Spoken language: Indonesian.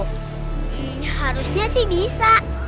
hmm harusnya sih bisa